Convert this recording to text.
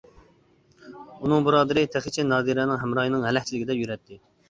ئۇنىڭ بۇرادىرى تېخىچە نادىرەنىڭ ھەمراھىنىڭ ھەلەكچىلىكىدە يۈرەتتى.